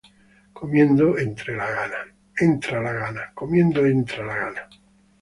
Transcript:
Comiendo entra la gana.